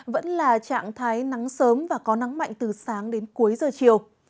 vẫn là trạng thái nắng sớm và có nắng mạnh từ sáng đến cuối giờ chiều